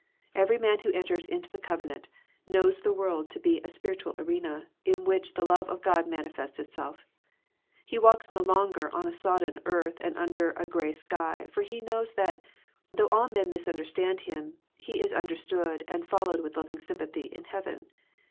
Every man who enters into the covenant, knows the world to be a spiritual arena, in which the love of God manifests itself. He walks no longer on a sodden earth and under a grey sky; for he knows that, though all men misunderstand him, he is understood, and followed with lov ing sympathy, in heaven.